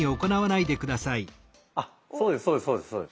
あっそうですそうですそうです。